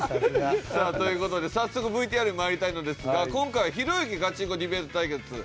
さあという事で早速ＶＴＲにまいりたいのですが今回はひろゆきガチンコディベート対決。